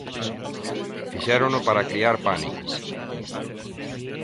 Fixérono para criar pánico.